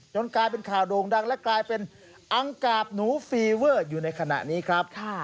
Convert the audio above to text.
กลายเป็นข่าวโด่งดังและกลายเป็นอังกาบหนูฟีเวอร์อยู่ในขณะนี้ครับ